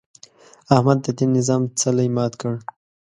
احمد د تېر نظام څلی مات کړ.